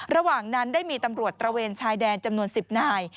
ระหว่างนั้นได้มีตำรวจตระเวนชายแดนจำนวน๑๐นาย